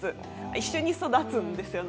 一緒に育つんですよね。